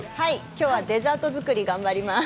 きょうは、デザート作り、頑張ります。